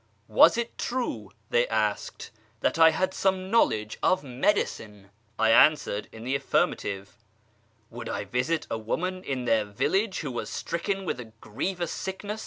" Was it true," they asked, " that I had some knowledge of medicine ?" I answered in the affirmative. " Would I visit a woman in their village who was stricken with a grievous sickness